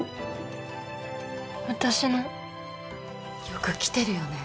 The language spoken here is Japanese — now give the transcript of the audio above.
よく来てるよね